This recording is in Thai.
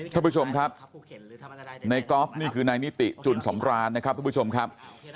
ท่านผู้ชมครับในกอล์ฟนี่คือนายนิติจุนสำรานนะครับทุกผู้ชมครับ